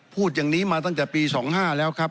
พูดอย่างนี้มาตั้งแต่ปี๒๕แล้วครับ